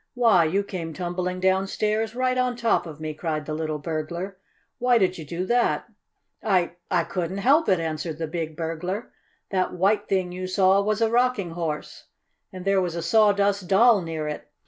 Why, you came tumbling downstairs right on top of me!" cried the little burglar. "Why did you do that?" "I I couldn't help it," answered the big burglar. "That white thing you saw was a Rocking Horse, and there was a Sawdust Doll near it.